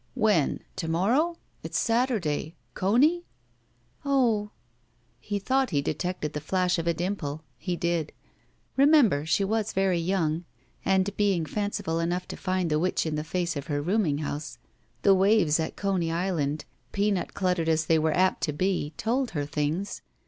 "When? To morrow? It's Saturday! Conor?" "Oh!" He thought he detected the flash of a dimple. He did. Remember, she was very yoimg and, being fanciful enough to find the witch in the face of her rooming house, the waves at Coney Island, peanut cluttered as they were apt to be, told her things.